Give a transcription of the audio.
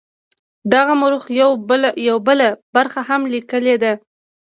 دغه مورخ یوه بله خبره هم لیکلې ده.